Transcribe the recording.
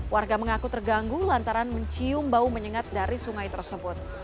warga mengaku terganggu lantaran mencium bau menyengat dari sungai tersebut